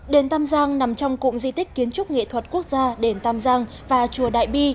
đền tam giang nằm trong cụm di tích kiến trúc nghệ thuật quốc gia đền tam giang và chùa đại bi